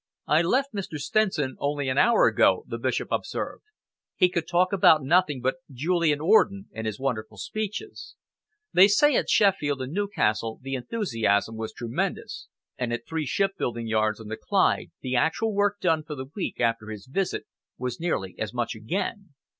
"I left Mr. Stenson only an hour ago," the Bishop observed. "He could talk about nothing but Julian Orden and his wonderful speeches. They say that at Sheffield and Newcastle the enthusiasm was tremendous, and at three shipbuilding yards on the Clyde the actual work done for the week after his visit was nearly as much again.